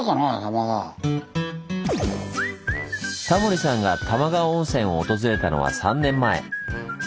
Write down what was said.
タモリさんが玉川温泉を訪れたのは３年前。